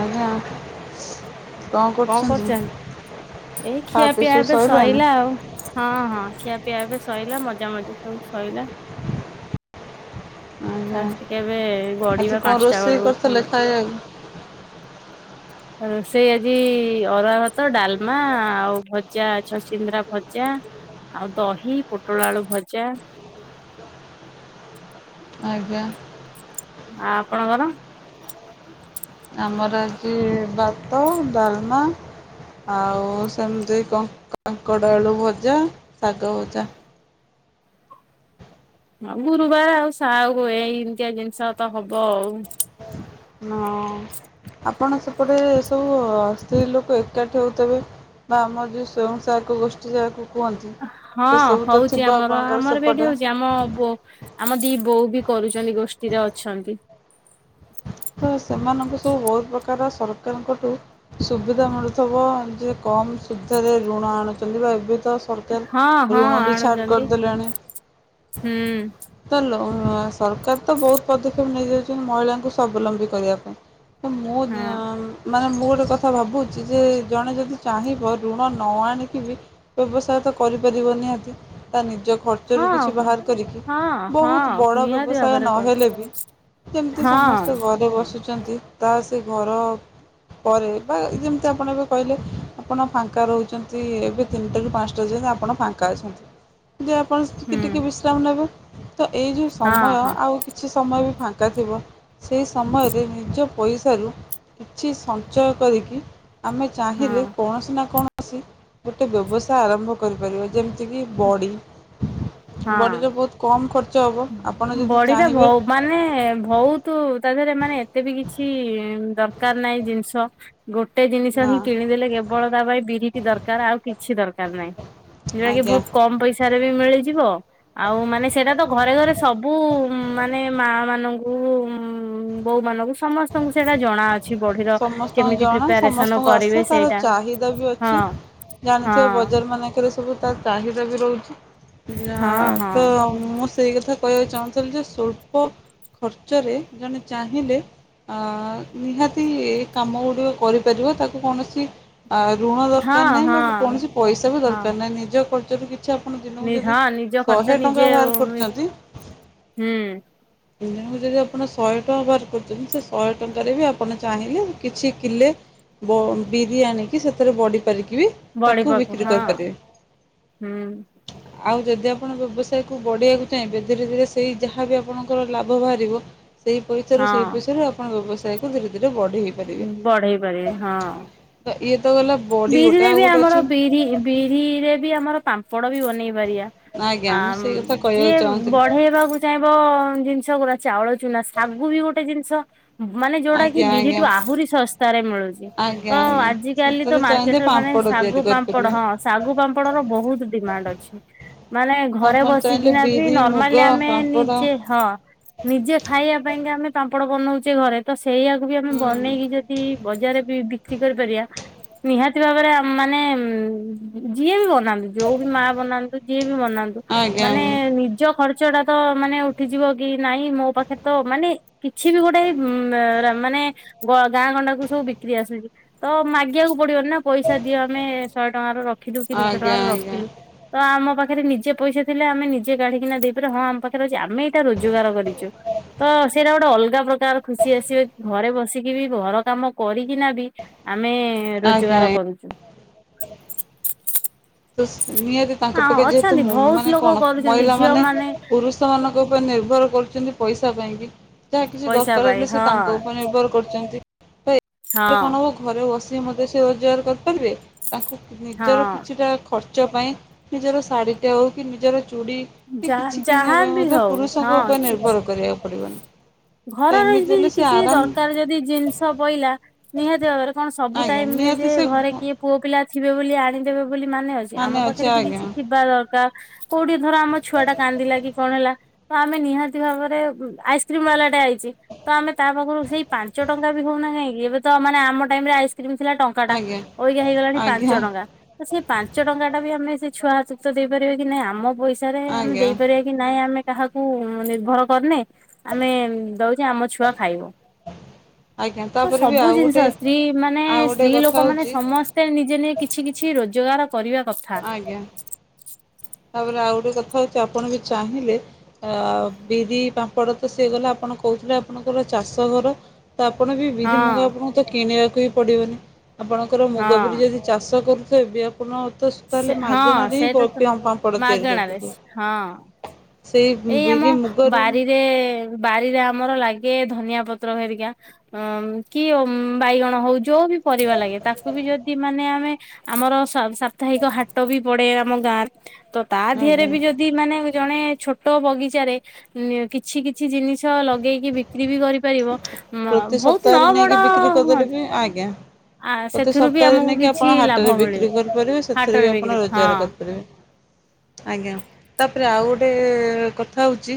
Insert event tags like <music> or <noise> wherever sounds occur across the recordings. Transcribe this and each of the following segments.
ଆଜ୍ଞା। କଣ କରୁଛନ୍ତି? ଏଇ ଖାଆ ପିଇ ଖିଆପିଆ ସବୁ ଏବେ ସଇଲାଣି? ସଇଲା ଆଉ। ହଁ ହଁ, ଖିଆପିଆ ଏବେ ସଇଲା ମଜାମଜି ସବୁ ସଇଲା। ଆଜ୍ଞା ଯାଉଛି ଟିକେ ଏବେ ଆଜି ଗଡ଼ିବା, କଣ ପାଞ୍ଚଟା ରୋଷେଇ ବେଳକୁ କରିଥିଲେ ପୁଣି <inaudible> ଖାଇବାକୁ? ରୋଷେଇ ଆଜି-ଇ-ଇ ଅରୁଆ ଭାତ ଡାଲମା ଆଉ ଭଜା ଛଚିନ୍ଦ୍ରା ଭଜା। ଆଉ ଦହି ପୋଟଳ ଆଳୁ ଭଜା। ଆଜ୍ଞା। ଆ ଆପଣଙ୍କର? ଆମର ଆଜି ବାତ ଡାଲମା। ଆଉ ସେମତି କଙ୍କ କାଙ୍କଡ଼ଆଳୁ ଭଜା ଶାଗ ଭଜା। ହଁ ଗୁରୁବାର ଆଉ ସା ହୁଏ ଏମିତିଆ ଜିନିଷ ତ ହବ ଆଉ। ହଁ ଆପଣ ସେପଟେ ସବୁ ସ୍ତ୍ରୀ ଲୋକ ଏକାଠି ହୋଉଥବେ। ବା ଆମର ଯୋଉ ସ୍ଵୟଂ ସହାୟକ ଗୋଷ୍ଠୀ ଯାହାକୁ କୁହନ୍ତି। ହଁ ସେସବୁ ତ ହଉଛି ଥିବ ଆମର ଆପଣଙ୍କର ଆମର ବି ଏଠି ସେପଟେ? ହଉଛି, ଆମ ବୋ ଆମ ଦି ବୋଉ ବି କରୁଛନ୍ତି ଗୋଷ୍ଠୀରେ ଅଛନ୍ତି। ତ ସେମାନଙ୍କୁ ସବୁ ବହୁତ ପ୍ରକାର ସରକାରଙ୍କଠୁ ସୁବିଧା ମିଳୁଥିବ, ଯେ କମ ସୁଧରେ ଋଣ ଆଣୁଛନ୍ତି ବା ଏବେ ତ ହଁ ସରକାର ହଁ ଋଣ ବି ଛାଡ଼ ଆଣୁଛନ୍ତି। କରିଦେଲେଣି। ହୁଁ। ତ ଲ ସରକାର ତ ବହୁତ ପଦକ୍ଷେପ ନେଇଯାଉଛନ୍ତି ମହିଳାଙ୍କୁ ସ୍ୱାବଲମ୍ବୀ କରିବା ପାଇଁ। ତ ହଁ ମୁଁ ମାନେ ମୁଁ ଗୋଟେ କଥା ଭାବୁଚି ଯେ ଜଣେ ଯଦି ଚାହିଁବ ଋଣ ନ ଆଣିକି ବି ବ୍ୟବସାୟ ତ କରିପାରିବ ନିହାତି ତା ନିଜ ଖର୍ଚ୍ଚରୁ କିଛି ହଁ ବାହାର କରିକି ହଁ ହଁ ବହୁତ ବଡ଼ ନିହାତି ବ୍ୟବସାୟ ଭାବରେ କହୁଛି ନହେଲେ ବି ଯେମିତି ହଁ ସମସ୍ତେ ଘରେ ବସୁଛନ୍ତି, ତା ସେ ଘର ପରେ ବା ଯେମିତି ଆପଣ ଏବେ କହିଲେ। ଆପଣ ଫାଙ୍କା ରହୁଛନ୍ତି ଏବେ ତିନିଟାରୁ ପାଞ୍ଚଟା ଯାଏ ଆପଣ ଫାଙ୍କା ଅଛନ୍ତି। ଯେ ଆପଣ ଟିକେ ହୁଁ ଟିକେ ବିଶ୍ରାମ ନେବେ ତ ଏଇ ଯୋଉ ହଁ ସମୟ ହଁ ଆଉ କିଛି ସମୟ ବି ଫାଙ୍କା ଥିବ। ସେଇ ସମୟରେ ନିଜ ପଇସାରୁ କିଛି ସଞ୍ଚୟ କରିକି, ଆମେ ହଁ ଚାହିଁଲେ କୌଣସି ନା କୌଣସି ଗୋଟେ ବ୍ୟବସାୟ ଆରମ୍ଭ କରିପାରିବେ। ଯେମିତିକି ବଡ଼ି, ବଡ଼ିରେ ବହୁତ କମ୍ ଖର୍ଚ୍ଚ ହବ। ବଡିରେ ଭ ମାନେ ଭଉତ୍ ତୁ ତା ଦେହରେ ମାନେ ଏତେ ବି କିଛି ଦରକାର ନାଇଁ ଜିନିଷ। ଗୋଟେ ଜିନିଷ ନା ହିଁ କିଣିଦେଲେ କେବଳ ତା ପାଇଁ ବିରିଟି ଦରକାର ଆଉ କିଛି ଦରକାର ନାଇଁ। ଯଉଆ କି ଆଜ୍ଞା ବହୁତ କମ ପଇସା ରେ ବି ମିଳିଯିବ, ଆଉ ମାନେ ସେଇଟା ତ ଘରେ ଘରେ ସବୁ ମାନେ ମା ମାନଙ୍କୁ, ବୋଉ ମାନଙ୍କୁ ସମସ୍ ସ୍ତଙ୍କୁ ସେଇଟା ଜଣାଅଛି ବଡିର ସମସ୍ତଙ୍କୁ କେମିତି ଜଣା ପ୍ରିପାରେସନ ସମସ୍ତଙ୍କୁ ଆସେ କରିବେ ତାର ସେଇଟା, ଚାହିଦା ବି ହଁ। ଅଛି ଜାଣିଥିବେ ହଁ ବଜାର ମାନଙ୍କରେ ସବୁ ତା ଚାହିଦା ବି ରହୁଛି, ହଁ ହଁ ତ ମୁଁ ସେଇ କଥା କହିବାକୁ ଚାହୁଁଥିଲି ଯେ ସ୍ୱଳ୍ପ ଖର୍ଚ୍ଚରେ ଜଣେ ଚାହିଁଲେ ଅ ନିହାତି ଏ କାମ ଗୁଡ଼ିକ କରିପାରିବ ତାକୁ କୌଣସି ଆ ଋଣ ଦରକାର ହଁ ନାଇଁ ବା ହଁ କୌଣସି ପଇସା ବି ହଁ ଦରକାର ନାଇଁ, ନିଜ ଖର୍ଚ୍ଚରୁ କି ଛା ଆପଣ ଦିନକୁ ନି ଯଦି ହଁ ନିଜ ଖର୍ଚ୍ଚ ଶହେ ନିଜେ ଟଙ୍କା ବାହାର ହୁଁ କରୁଚନ୍ତି। ଦିନକୁ ଯଦି ଆପଣ ଶହେ ଟଙ୍କା ବାହାର କରୁଛନ୍ତି ସେ ଶହେ ଟଙ୍କାରେ ବି ଆପଣ ଚାହିଁଲେ କିଛି କିଲେ ବ ବିରି ଆଣିକି ସେଥିରେ ବଡିପାରିକି ବି ତାକୁ ବଢିବାକୁ ବିକ୍ରି ହଁ କରିପାରିବେ। ହୁଁ ଆଉ ଯଦି ଆପଣ ବ୍ୟବସାୟକୁ ବଡେଇଆକୁ ଚାହିଁବେ ଧୀରେ ଧୀରେ ସେଇ ଯାହାବି ଆପଣଙ୍କର ଲାଭ ବାହାରିବ ସେଇ ପଇସାରୁ ହଁ ସେଇ ପଇସାରୁ ଆପଣ ବ୍ୟବସାୟ କୁ ଧୀରେ ଧୀରେ ବଢେଇବେ। ଉଁ ବଢେଇ ପାରିବେ, ହଁ। ତ ଇଏ ତ ଗଲା। ବଡି ଗୋଟେ ବିରିରେ ଆଉ ବି ଗୋଟେ ଆମର ଅଛି ବିରି ବିରିରେ ବି ଆମର ପାମ୍ପଡ଼ ବି ବନେଇ ପାରିବା। ଆଜ୍ଞା ଆ ମୁଁ ମ୍ ସେଇ କଥା କହିବାକୁ ଯିଏ ଚାହୁଁଥିଲି। ବଢେଇବାକୁ ଚାହିଁବ ଜିନିଷ ଗୁରା ଚାଉଳ ଚୁନା ଶାଗୁ ବି ଗୋଟେ ଜିନିଷ ମାନେ ଯୋଉଟା କି ଆଜ୍ଞା ଆଜ୍ଞା ବିରିଠୁ ଆହୁରି ଶସ୍ତାରେ ମିଳୁଛି ଆଜ୍ଞା ତ ଆଜ୍ଞା ଆଜିିକାଲି ସେଥିରେ ଚାହିଁଲେ ମାର୍କେଟରେ ମାନେ ପାମ୍ପଡ଼ ତିଆରି ଶାଗୁ ପାମ୍ପଡ କରିପାରିବେ। ହଁ ଶାଗୁ ପାମ୍ପଡର ବହୁତ ଡିମାଣ୍ଡ ଅଛି। ମାନେ ଘରେ ଆପଣ ଚାହିଁଲେ ବସିକିନା ବି ବିରି ମୁଗ ନର୍ମାଲି ଆମେ ପାମ୍ପଡ଼ ନିଜେ ହଁ ନିଜେ ଖାଇବା ପାଇଁକା ଆମେ ପାମ୍ପଡ଼ ବନଉଛେ ଘରେ। ତ ସେଇଆକୁ ବି ଆମେ ହୁଁ ବନେଇକି ଯଦି ବଜାରରେ ବି ବିକ୍ରି କରିପାରିବା। ନିହାତି ଭାବରେ ଆମେମାନେ ଯିଏ ବି ବନାନ୍ତୁ ଯୋଉ ବି ମା ବନାନ୍ତୁ ଯିଏ ବି ବନାନ୍ତୁ ଆଜ୍ଞା ମାନେ ଆଜ୍ଞା ନିଜ ଖର୍ଚ୍ଚ ଟା ତ ମାନେ ଉଠିଯିବ କି ନାଇଁ ମୋ ପାଖରେ ତ ମାନେ କିଛି ବି ଗୋଟେ ଉ ମାନେ ଗ ଗାଁ ଗଣ୍ଡା କୁ ସବୁ ବିକ୍ରି ଆସୁଛି। ତ ମାଗିବାକୁ ପଡିବନି ନା ପଇସା ଦିଅ ଆମେ ଶହେ ଟଙ୍କାର ରଖିଲୁ କି ଦୁଇଶହ ଟଙ୍କା ଆଜ୍ଞା ଆଜ୍ଞା ର ରଖିଲୁ। ତ ଆମ ପାଖରେ ନିଜେ ପଇସା ଥିଲେ ଆମେ ନିଜେ କାଢ଼ିକିିନା ଦେଇପାରିବୁ ହଁ ଆମ ପାଖରେ ଅଛି ଆମେ ଏଇଟା ରୋଜଗାର କରିଛୁ। ତ ସେଇଟା ଗୋଟେ ଅଲଗା ପ୍ରକାର ଖୁସି ଆସିବ ଘରେ ବସିକି ବି ଘର କାମ କରିକିନା ବି ଆମେ ଆଜ୍ଞା ଆଜ୍ଞା। ରୋଜଗାର କରୁଛୁ। ତ ନିହାତି ତାଙ୍କ ହଁ ପାଖେ ଯେହେତୁ ଅଛନ୍ତି ମ ବହୁତ ମାନେ ଲୋକ କଣ କରୁଛନ୍ତି ମହିଳା ଝିଅ ମାନେ ପୁରୁଷ ପୁରୁଷମାନଙ୍କ ଉପରେ ନିର୍ଭର କରୁଛନ୍ତି ପଇସା ପାଇଁକି। ଯାହା କିଛି ପଇସା ଦରକାର ପାଇଁ ହେଲେ ସେ ହଁ ତାଙ୍କ ଉପରେ ନିର୍ଭର କରୁଛନ୍ତି। ରେ ହଁ। କଣ ହବ ଘରେ ବସିିକ ମଧ୍ୟ ସେ ରୋଜଗାର କରିପାରିବେ ତାଙ୍କୁ ନିଜର ହଁ କିଛିଟା ଖର୍ଚ୍ଚ ପାଇଁ ନିଜର ଶାଢ଼ୀଟା ହେଉ କି ନିଜର ଚୁଡ଼ି ସେ ଯା କିଛି କିଣିବା ଯାହା ପାଇଁ ବି ମଧ୍ୟ ହଉ ପୁରୁଷଙ୍କ ଉପରେ ନିର୍ଭର କରିବାକୁ ପଡିବନି। ଘରରେ ଯଦି କିଛି ଦରକାର ଯଦି ଜିନିଷ ପଇଲା ନିହାତି ଭାବରେ କଣ ସବୁ ଆଜ୍ଞା ଟାଇମରେ ନିହାତି ଯେ ସେ ଘରେ କିଏ ପୁଅ ପିଲା ଥିବେ ବୋଲି ଆଣିଦେବେ ବୋଲି ମାନେ ଅଛି। ଆମ ପାଖରେ ବି କିଛି ଥିବା ଦରକାର କୋଉଠି ଧର ଆମ ଛୁଆଟା କାନ୍ଦିଲା କି କଣ ହେଲା ତ ଆମେ ନିହାତି ଭାବରେ ଆଇସ୍କ୍ରିମ ବାଲା ଟା ଆଇଛି ତ ଆମେ ତା ପାଖରୁ ସେଇ ପାଞ୍ଚ ଟଙ୍କା ବି ହଉନା କାହିଁକି ଏବେ ତ ମାନେ ଆମ ଟାଇମ ରେ ଆଇସ ସେତେବେଳେ ଥିଲା ଟଙ୍କା ଟା ଆଜ୍ଞା ଅବିକା ହେଇଗଲାଣି ପାଞ୍ଚ ଆଜ୍ଞା ଟଙ୍କା। ତ ସେ ପାଞ୍ଚ ଟଙ୍କା ଟା ବି ଆମେ ସେ ଛୁଆ ହାତକୁ ତ ଦେଇପାରିବା କି ନାଇଁ ଆମ ପଇସା ପଇସାରେ ଆମେ ଦେଇପାରିବା କି ଆଜ୍ଞା। ନାଇଁ ଆମେ କାହାକୁ ନିର୍ଭର କରିନେ। ଆମେ ଦଉଛେ ଆମ ଛୁଆ ଖାଇବ। ଆଜ୍ଞା ତ ତାପରେ ବି ସବୁ ଆଉ ଗୋଟେ ଜିନିଷ ସ୍ତ୍ରୀ ମାନେ ଆଉ ଗୋଟେ ସ୍ତ୍ରୀ କଥା ଲୋକ ମାନେ ହଉଛି ସମସ୍ତେ ନିଜେ ନେଇ କିଛି କିଛି ରୋଜଗାର କରିବା କ ଆଜ୍ଞା, ତାପରେ ଆଉ ଗୋଟେ କଥା ହଉଛି ଆପଣ ବି ଚାହିଁଲେ ଆ ବିରି ପାମ୍ପଡ଼ ତ ସିଏ ଗଲା ଆପଣ କହୁଥିଲେ ଆପଣଙ୍କର ଚାଷ ଘର। ତ ଆପଣ ବି ବିରି ମୁଗ ହଁ ଆପଣଙ୍କୁ ତ କିଣିବାକୁ ହିଁ ପଡିବନି ଆପଣଙ୍କର ମୁଗ ହଁ ବିରି ଯଦି ଚାଷ କରୁଥିବେ ବି ଆପଣ ତ ସେ ତାହେଲେ ହଁ ମାଗଣାରେ ହିଁ ସେଇଟା ତ ପାମ୍ପଡ଼ ତିଆରି ମାଗଣାରେ କରିପାରିବେ ହଁ। ସେଇ ଏଇ ଆମ ବିରି ମୁଗରୁ ବାରିରେ ବାରିରେ ଆମର ଲାଗେ ଧନିଆ ପତ୍ର ହେରିକା ଅ କି ବାଇଗଣ ହଉ ଯୋଉ ବି ପରିବା ଲାଗେ ତାଙ୍କୁ ଯଦି ସାପ୍ତାହିକ ହାଟ ବି ପଡେ ଆମ ଗାଁରେ। ତ ତା ଦିହେରେ ଆଜ୍ଞା ବି ଯଦି ମାନେ ଜଣେ ଛୋଟ ବଗିଚାରେ ନ କିଛି କିଛି ଜିନିଷ ଲଗେଇକି ବିକ୍ରି ବି କରି ପାରିବ ତ ପ୍ରତି ଏମ୍ ବହୁତ ନ ସପ୍ତାହରେ ବଡ ନେଇକି ବିକ୍ରି କରିଦେଲେ ହୁଅନ୍ତୁ ବି ଆଜ୍ଞା ଆ ପ୍ରତି ସେଥିରୁ ବି ଆମକୁ କିଛି ଲାଭ ମିଳେ। ଉପରେ ସେଥିରେ ବି ଆପଣ ରୋଜଗାର କରିପାରିବେ ଆଜ୍ଞା। ତାପରେ ଆଉ ଗୋଟେ କଥା ହଉଛି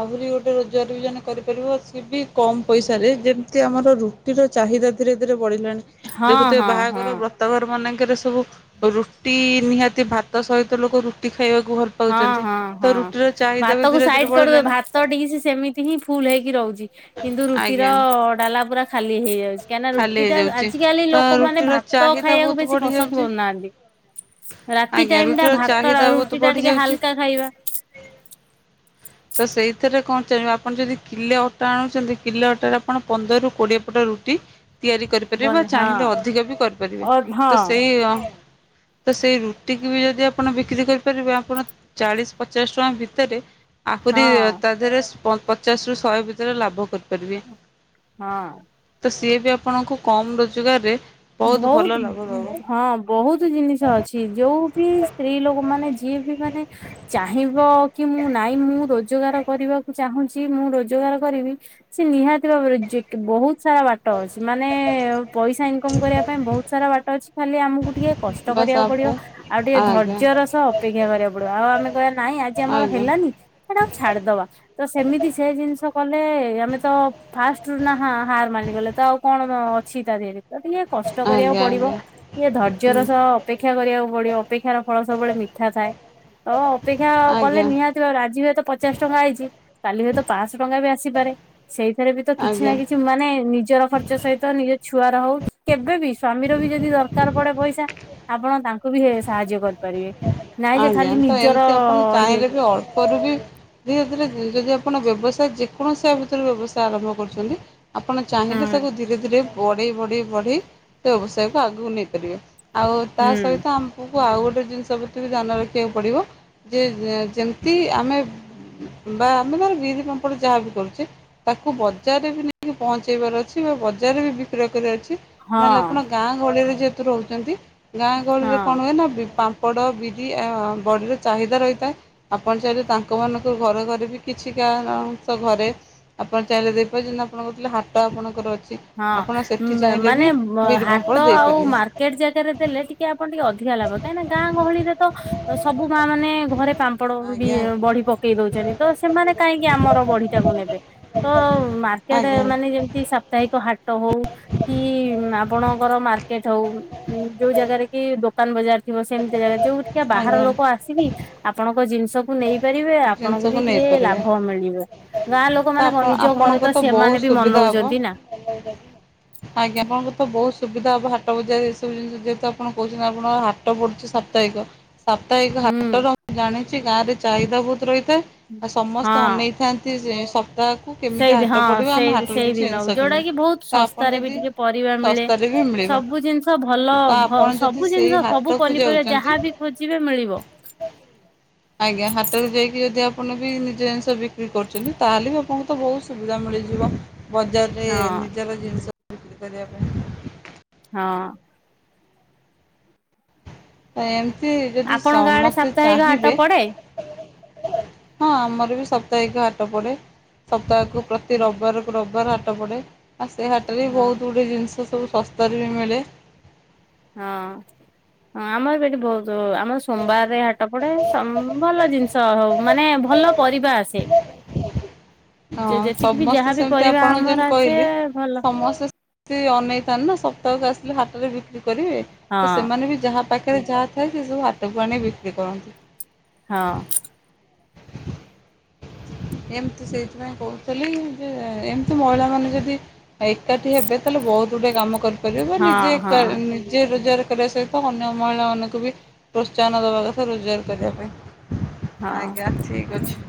ଆହୁରି ଗୋଟେ ରୋଜଗାର ବି ଜଣେ କରିପାରିବ ସିଏ ବି କମ୍ ପଇସାରେ ଯେମିତି ଆମର ରୁଟିର ଚାହିଦା ଧୀରେ ଧୀରେ ବଢ଼ିଲାଣି ହଁ ଦେଖୁଥିବେ ହଁ ହଁ। ବାହାଘର ବ୍ରତ ବ୍ରତଘର ମାନଙ୍କରେ ସବୁ ରୁଟି ନିହାତି ଭାତ ସହିତ ଲୋକ ରୁଟି ଖାଇବାକୁ ଭଲ ହଁ ପାଉଛନ୍ତି। ହଁ ତ ହଁ ରୁଟିର ଚାହିଦା ବି ଭାତ କୁ ଧୀରେ ଧୀରେ ସାଇଡ କରିଦବ ବଢିଲାନି ଭାତ ଡ଼ିସ ସେମିତି ହିଁ ଫୁଲ ହେଇକି ରହୁଛି। କିନ୍ତୁ ରୁଟିର ଆଜ୍ଞା ଡାଲା ପୁରା ଖାଲି ହେଇଯାଉଛି କାହିଁକିନା ଖାଲି ରୁଟି ଟା ହେଇଯାଉଛି। ଆଜିକାଲି ତ ଲୋକମାନେ ରୁଟିର ଭାତ ତ ଚାହିଦା ଖାଇବାକୁ ବହୁତ ବେଶୀ ବଢି ପସନ୍ଦ ଯାଉଛି କରୁନାହାନ୍ତି ରାତି ଟାଇମ ଟା ଭାତ ଆଉ ରୁଟି ଟା ପଡ଼ି ଟିକେ ଯାଉଛି। ହାଲକା ଖାଇବା। ତ ସେଇଥିରେ କଣ ଚାହିଁବେ ଆପଣ ଯଦି କିଲେ ଅଟା ଆଣୁଛନ୍ତି କିଲେ ଅଟାରେ ଆପଣ ପନ୍ଦରରୁ କୋଡ଼ିଏ ପଟ ରୁଟି ତିଆରି କରିପାରିବେ ବା ବନ ହଁ ଚାହିଁଲେ ଅଧିକ ବି କରିପାରିବେ ଅ ତ ହଁ ସେଇଆ ତ ସେଇ ରୁଟିକୁ ବି ଯଦି ଆପଣ ବିକ୍ରି କରିପାରିବେ ଆପଣ ଚାଳିଶ ପଚାଶ ଟଙ୍କା ଭିତରେ ଆହୁରି ହଁ ତା ଦେହରେ ପଚାଶ ରୁ ଶହେ ଭିତରେ ଲାଭ କରି ପାରିବେ ହଁ। ତ ସିଏ ବି ଆପଣଙ୍କୁ କମ ରୋଜଗାରରେ ବହୁତ ଭଲ ଲାଭ ବୋହୁତୁ ଦେବ ହଁ ବହୁତ ଜିନିଷ ଅଛି। ଯୋଉ ବି ସ୍ତ୍ରୀ ଲୋକ ମାନେ ଯିଏ ବି ମାନେ ଚାହିଁବ କି ମୁଁ ନାଇଁ ମୁଁ ରୋଜଗାର କରିବାକୁ ଚାହୁଁଛି ମୁଁ ରୋଜଗାର କରିବି ସେ ନିହାତି ଭାବରେ ବହୁତ ସାରା ବାଟ ଅଛି ମାନେ ପଇସା ଇନ୍ ଇନକମ କରିବା ପାଇଁ ବହୁତ ସାରା ବାଟ ଅଛି ଖାଲି ଆମକୁ ଟିକେ କଷ୍ଟ ବାସ୍ କରିବାକୁ ଆପ ପଡିବ। ଆଉ ଟିକେ ଆଜ୍ଞା ଧୈର୍ଯ୍ୟର ସହ ଅପେକ୍ଷା କରିବାକୁ ପଡିବ ଆଉ ଆମେ କହିବା ନାଇଁ ଆଜି ଆମର ଆଜ୍ଞା ହେଲାନି ସେଟାକୁ ଛାଡିଦବା। ତ ସେମିତି ସେ ଜିନିଷ କଲେ ଆମେ ତ ଫାଷ୍ଟରୁୁ ନା ହାର ମାନିଗଲେ ତ ଆଉ କଣ ସିଧା ଦେଇଦେ ତ ଟିକଏ କଷ୍ଟ କରିବାକୁ ଆଜ୍ଞା ଆଜ୍ଞା ପଡିବ। ଇଏ ହୁଁ ଧୈର୍ଯ୍ୟର ସହ ଅପେକ୍ଷା କରିବାକୁ ପଡିବ ଅପେକ୍ଷାର ଫଳ ସବୁବେଳେ ମିଠା ଥାଏ। ହଁ ଅପେକ୍ଷା କଲେ ଆଜ୍ଞା ନିହାତି ଭାବରେ ଆଜି ହୁଏତ ପଚାଶ ଟଙ୍କା ଆଇଛି କାଲି ହୁଏତ ପାଞ୍ଚଶହ ଟଙ୍କା ବି ଆସିପାରେ ସେଇଥିରେ ବି ତ କିଛି ନା ଆଜ୍ଞା କିଛି ମାନେ ନିଜର ଖଚ୍ଚ ନିଜ ସହିତ ନିଜ ଛୁଆ ର ହଉ କି କେବେ ବିି ସ୍ଵାମୀର ବି ଯଦି ଦରକାର ପଡେ ପଇସା ଆପଣ ତାଙ୍କୁ ବି ସାହାଯ୍ୟ କରିବେ? କରିବେ ନାଇଁ ଯେ ଆଜ୍ଞା ଖାଲି ତ ନିଜର ଏମିତି ଆପଣ ଇଏ ଚାହିଁଲେ ବି ଅଳ୍ପରୁ ବି ଧୀରେ ଧୀରେ ଯଦି ଆପଣ ବ୍ୟବସାୟ ଯେକୌଣସି ୟା ଭିତରେ ବ୍ୟବସାୟ ଆରମ୍ଭ କରୁଛନ୍ତି ଆପଣ ଚାହିଁଲେ ତାକୁ ଧୀରେ ଧୀରେ ବଢ଼େଇ ବଢ଼େଇ ବଢ଼େଇ ବ୍ୟବସାୟକୁ ଆଗକୁ ନେଇପାରିବେ। ଆଉ ତା ହୁଁ ସହିତ ଆମକୁ ଆଉ ଗୋଟେ ଜିନିଷ ସବୁଥିରେ ଧ୍ୟାନ ରଖିବାକୁ ପଡ଼ିବ ଯେ ଯେମିତି ଆମେ ବା ଆମେ ମାନେ ବିରି ପାମ୍ପଡ ଯାହା ବି କରୁଛେ ତାକୁ ବଜାରରେ ବି ନେଇକି ପହଞ୍ଚେଇବାର ଅଛି ବା ବଜାରରେ ବି ବିକ୍ରୟ କରିବାର ଅଛି। ହଁ ନହେଲେ ଆପଣ ଗାଁ ଗହଳିରେ ଯେହେତୁ ରହୁଛନ୍ତି ଗାଁ ଗହଳିରେ ହଁ। କଣ ହୁଏ ନା ପା ପାପଡ ବିରି ବଡ଼ିର ଚାହିଦା ରହିଥାଏ। ଆପଣ ଚାହିଁଲେ ତାଙ୍କ ମାନଙ୍କୁ ଘରେ ଘରେ ବି କିଛି କା କାଶ ଘରେ ଆପଣ ଚାହିଁଲେ ଦେଇପାରେ ଯେ ଆପଣ ପିଲା ହାଟ ଆପଣଙ୍କର ଅଛି? ହଁ ଆପଣ ସେଠି ଚାହିଁଲେ ବି ମାନେ ବିରି ହାଟ ପାମ୍ପଡ଼ ଆଉ ଦେଇପାରିବେ ମାର୍କେଟ ଜାଗାରେ ଦେଲେ ଟିକେ ଟେ ଆପଣ ଟିକେ ଅଧିକା ଲାଭ କାହିଁକି ଗାଁ ଗହଳିରେ ତ ସବୁ ମା ମାନେ ଘରେ ପାମ୍ପଡ ବି ଆଜ୍ଞା ବଢି ପକେଇ ଦଉଛନ୍ତି ତ ସେମାନେ କାହିଁକି ଆମର ବଢି ଟାକୁ ନେବେ। ହଁ ମାର୍କେଟ ଆଜ୍ଞା ମାନେ ଯେମିତି ସାପ୍ତାହିକ ହାଟ ହଉ କି ଆପଣଙ୍କର ମାର୍କେଟ ହଉ ଯୋଉ ଜାଗାରେ କି ଦୋକାନ ବଜାର ଥିବ ସେମିତି ଜାଗା ଯୋଉଠିକା ବାହାର ଆଜ୍ଞା ଲୋକ ଆସିକି ଆପଣଙ୍କ ଜିନିଷ ନେଇପାରିବେ ଆପଣଙ୍କୁ ଜିନିଷକୁ ବି ଟିକେ ନେଇପାରିବେ ଲାଭ ମିଳିବ। ଗାଁ ତ ଲୋକମାନେ କଣ ଆପଣ ନିଜ ଘରେ ତ ସେମାନେ ବି ମନଉଛନ୍ତି ନା ମେଲାଇ ଦବୁ <inaudible> ଆଜ୍ଞା ଆପଣଙ୍କର ତ ବହୁତ ସୁବିଧା ହବ ହାଟ ବଜାରରେ ଏବୁ ଜିନିଷ ଯେହେତୁ ଆପଣ କହୁଛନ୍ତି ଆପଣ ହା ହାଟ ପଡୁଛି ସାପ୍ତାହିକ। ସାପ୍ତାହିକ ହୁଁ। ହାଟର ମୁ ଜାଣିଚି ଗାଁରେ ଚାହିଦା ବହୁତ ରହିଥାଏ ଆଉ ସମସ୍ତେ ଅନେଇଥାନ୍ତି ତି ସପ୍ତାହ <inaudible> ସେଇବି ହଁ ସେଇବି ସେଇବିନଉ ଯଉଟା କିଣିବୁ। କି ବହୁତ ତ ଆପଣ ଶସ୍ତାରେ ବି ଯଦି ଟିକେ ପରିବା ମିଳେ ଶସ୍ତାରେ ବି ମିଳିବ। ସବୁ ଜିନିଷ ଭଲ ତ ଆପଣ ଯଦି ସବୁ ସେଇ ଜିନିଷ ସବୁ ହାଟକୁ ପନିପରିବା ଯାଉଛନ୍ତି ଯାହାବି ଖୋଜିବେ ମିଳିବ। ଆଜ୍ଞା ହାଟକୁ ଯାଇକି ଯଦି ଆପଣ ବି ନିଜ ଜିନିଷ ବିକ୍ରି କରୁଛନ୍ତି ତାହେଲେ ବି ଆପଣଙ୍କୁ ତ ବହୁତ ସୁବିଧା ମିଳିଯିବ। ବଜାରରେ ହଁ ନିଜର ଜିନିଷ ବିକ୍ରି କରିବା ପାଇଁ। ହଁ। ଏମିତି ଯଦି ଆପଣଙ୍କ ଆଡେ ସମସ୍ତେ ସାପ୍ତାହିକ ହାଟ ଚାହିଁବେ ପଡେ? ହଁ ଆମର ବି ସପ୍ତାହିକ ହାଟ ପଡେ ସପ୍ତାହକୁ ପ୍ରତି ହଁ ରବିବାର ରବିବାର ହାଟ ପଡ଼େ ଆଉ ସେ ହାଟରେ ବି ହଁ। ବହୁତ ଗୁଡ଼ିଏ ଜିନିଷ ସବୁ ଶସ୍ତାରେ ବି ମିଳେ। ହଁ ହଁ ଆମର ଏଠି ଭ ତ ଆମ ସୋମବାରରେ ହାଟ ପଡେ ସମ୍ ଭଲ ଜିନିଷ ହଉ ମାନେ ଭଲ ପରିବା ଆସେ। ହଁ ଯେତିକି ବି ସମସ୍ତେ ଯାହାବି ସେମିତି ପରିବା ଆପଣଙ୍କୁ ଆମର ଯେମିତି ଆସେ କହିଲି ଭଲ। ସମସ୍ତେ ସେ ଅନେଇଥାନ୍ତି ନା ସପ୍ତାହକୁ ଆସିଲେ ହାଟରେ ବିକ୍ରି କରିବେ। ହଁ ତ ସେମାନେ ବି ଯାହା ପାଖରେ ଯାହା ଥାଏ ସେ ସବୁ ହାଟକୁ ଆଣି ବିକ୍ରି କରନ୍ତି। ହଁ। ଏମତି ସେଇଥିପାଇଁ କହୁଥିଲି ଯେ ଏମିତି ମହିଳା ମାନେ ଯଦି ଏକାଠି ହେବେ ତାହେଲେ ବହୁତ ଗୁଡେ କାମ କରିପାରିବେ ବା ହଁ ନିଜେ ହଁ ଏକା ଯିଏ ରୋଜଗାର କରିବା ସହିତ ଅନ୍ୟ ମହିଳାମାନଙ୍କୁ ବି ପ୍ରୋତ୍ସାହନ ଦବା କଥା ରୋଜଗାର କରିବା ପାଇଁ। ହଁ। ଆଜ୍ଞା ଠିକ ଅଛି।